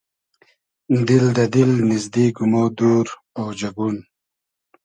دیل دۂ دیل نیزدیگ و مۉ دور اۉجئگون